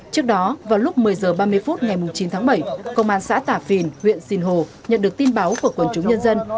trước đó vào lúc một mươi h ba mươi phút ngày chín tháng bảy công an xã tả phìn huyện sinh hồ nhận được tin báo của quần chúng nhân dân